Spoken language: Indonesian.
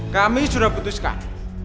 kami sudah putuskan